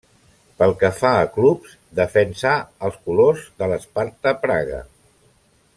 Pel que fa a clubs, defensà els colors de l'Sparta Praga.